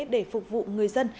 để phục vụ người dân